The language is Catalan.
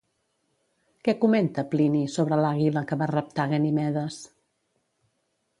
Què comenta Plini sobre l'àguila que va raptar Ganimedes?